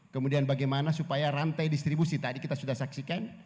kemudian bagaimana supaya rantai distribusi tadi kita sudah saksikan